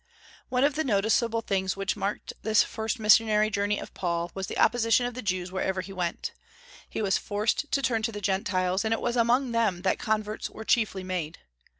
One of the noticeable things which marked this first missionary journey of Paul, was the opposition of the Jews wherever he went. He was forced to turn to the Gentiles, and it was among them that converts were chiefly made.